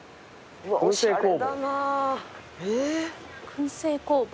燻製工房。